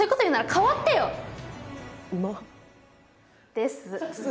です。